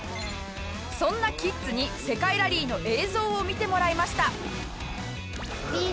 そんなキッズに世界ラリーの映像を見てもらいました